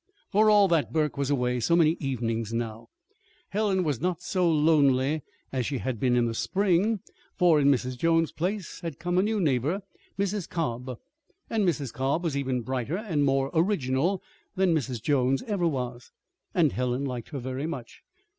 For all that Burke was away so many evenings now, Helen was not so lonely as she had been in the spring; for in Mrs. Jones's place had come a new neighbor, Mrs. Cobb. And Mrs. Cobb was even brighter and more original than Mrs. Jones ever was, and Helen liked her very much.